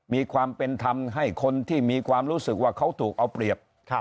มีความเป็นธรรมให้คนที่มีความรู้สึกว่าเขาถูกเอาเปรียบ